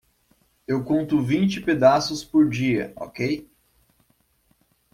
Eu conto vinte pedaços por dia, ok?